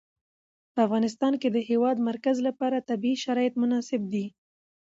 په افغانستان کې د د هېواد مرکز لپاره طبیعي شرایط مناسب دي.